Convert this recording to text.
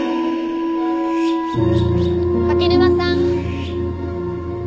柿沼さん。